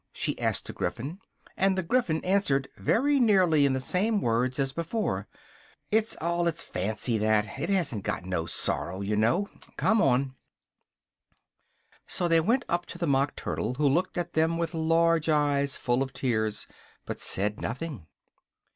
she asked the Gryphon, and the Gryphon answered, very nearly in the same words as before, "it's all its fancy, that: it hasn't got no sorrow, you know: come on!" So they went up to the Mock Turtle, who looked at them with large eyes full of tears, but said nothing.